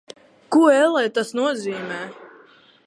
Ko, ellē, tas nozīmē?